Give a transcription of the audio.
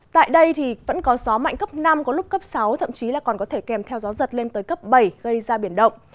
tại đây thì vẫn có gió mạnh cấp năm có lúc cấp sáu thậm chí là còn có thể kèm theo gió giật lên tới cấp bảy gây ra biển động